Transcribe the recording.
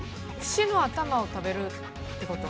牛の頭を食べるってこと？